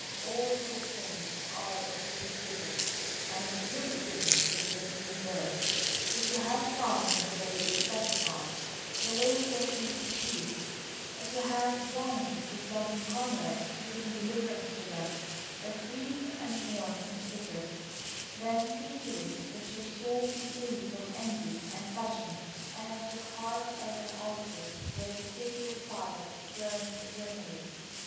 All good things are of His giving; and of His giving is the new birth. If you have found the way of sacrifice, the way that leads to peace; if you have joined with loving comrades to bring deliverance to them that weep and mourn in secret; then see to it that your soul be free from envy and passion and your heart as an altar where the sacred fire burns eternally.